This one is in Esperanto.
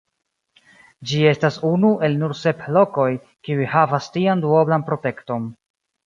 Ĝi estas unu el nur sep lokoj, kiuj havas tian duoblan protekton.